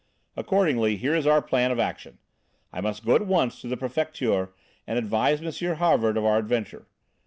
Accordingly here is our plan of action. I must go at once to the Prefecture and advise M. Havard of our adventure.